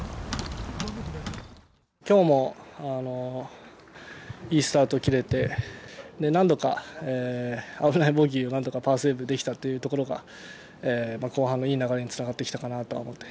今日もいいスタートを切れて何度か危ないボギーをなんとかパーセーブできたっていうのが後半のいい流れにつなげてこれたかなと思います。